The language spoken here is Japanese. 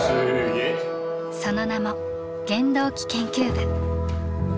その名も「原動機研究部」。